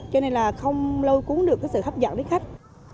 cho nên là không lâu cuốn được sự hấp dẫn với khách